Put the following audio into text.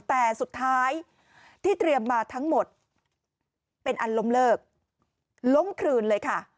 แต่สุดท้ายที่เตรียมมาทั้งหมดเป็นอันล้มเลิกล้มคลืนเลยค่ะ